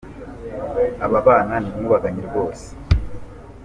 Aba bana ni inkubaganyi rwose!